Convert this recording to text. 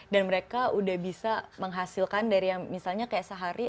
dan mereka udah bisa menghasilkan dari yang misalnya kayak sehari